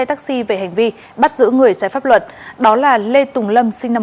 taxi về hành vi bắt giữ người trái pháp luật đó là lê tùng lâm sinh năm một nghìn chín trăm chín mươi ba